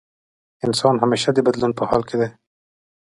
انسان همېشه د بدلون په حال کې دی.